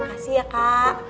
makasih ya kak